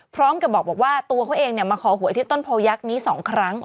พร้อมกับบอกว่าตัวเขาเองมาขอหวยที่ต้นโพยักษ์นี้๒ครั้ง